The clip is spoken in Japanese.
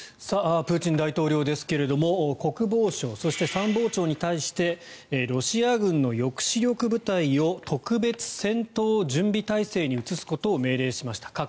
プーチン大統領ですが国防相、そして参謀長に対してロシア軍の抑止力部隊を特別戦闘準備態勢に移すことを命令しました。